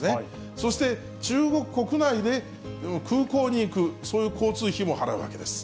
そして、中国国内で空港に行く、そういう交通費も払うわけです。